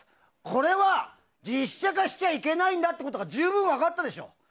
これは実写化しちゃいけないんだってことが十分、分かったでしょ。